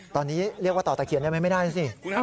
ตอนนี้เรียกว่าต่อตะเคียนได้ไหมไม่ได้นะสิ